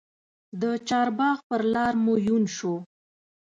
د چارباغ پر لار مو یون سو